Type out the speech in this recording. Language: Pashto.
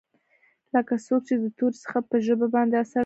لکه څوک چې د تورې څخه په ژبه باندې عسل څټي.